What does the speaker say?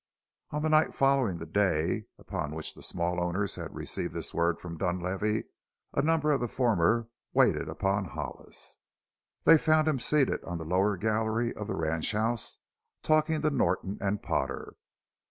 On the night following the day upon which the small owners had received this word from Dunlavey a number of the former waited upon Hollis. They found him seated on the lower gallery of the ranchhouse talking to Norton and Potter.